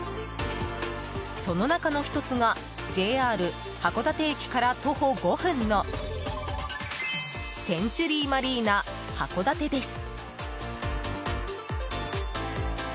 その中の１つがＪＲ函館駅から徒歩５分のセンチュリーマリーナ函館です。